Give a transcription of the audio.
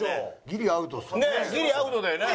ギリアウトだよね。